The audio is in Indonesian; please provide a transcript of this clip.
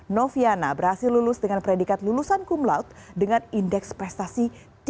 noviana berhasil lulus dengan predikat lulusan cum laude dengan indeks prestasi tiga sembilan puluh empat